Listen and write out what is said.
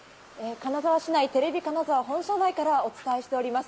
金沢市内、テレビ金沢本社前からお伝えしております。